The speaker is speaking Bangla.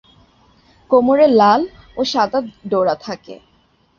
কোমরে লাল ও সাদা ডোরা থাকে।